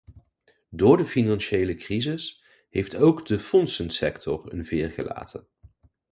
Door de financiële crisis heeft ook de fondsensector een veer gelaten.